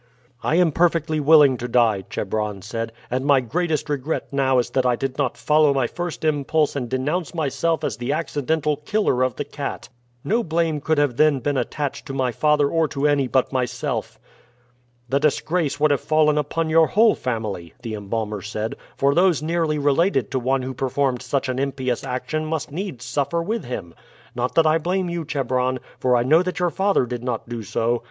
"I am perfectly willing to die," Chebron said; "and my greatest regret now is that I did not follow my first impulse and denounce myself as the accidental killer of the cat. No blame could have then been attached to my father or to any but myself." "The disgrace would have fallen upon your whole family," the embalmer said; "for those nearly related to one who performed an impious action must needs suffer with him. Not that I blame you, Chebron; for I know that your father did not do so.